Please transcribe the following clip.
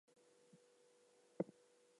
It wasn't set aside for a Jew or a Christian.